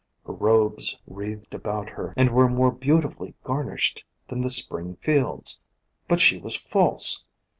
Her robes wreathed about her and were more beautifully gar nished than the Spring fields. But she was false!